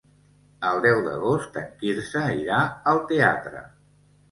El deu d'agost en Quirze irà al teatre.